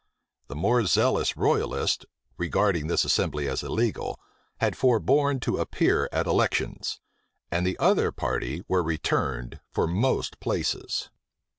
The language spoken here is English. The more zealous royalists, regarding this assembly as illegal, had forborne to appear at elections; and the other party were returned for most places.